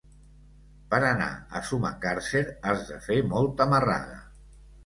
Per anar a Sumacàrcer has de fer molta marrada.